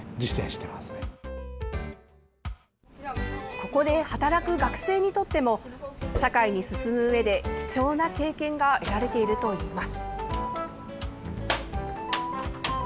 ここで働く学生にとっても社会に進むうえで貴重な経験が得られているといいます。